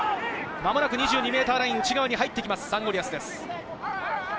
まもなく２２ｍラインの内側に入ってきます、サンゴリアスです。